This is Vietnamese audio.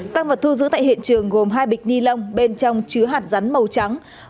tăng vật thu giữ tại hiện trường gồm hai bịch ni lông bên trong chứa hạt rắn màu trắng